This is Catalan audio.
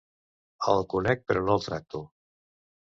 El conec, però no el tracto.